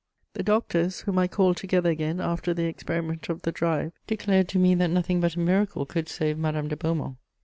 The doctors, whom I called together again after the experiment of the drive, declared to me that nothing but a miracle could save Madame de Beaumont.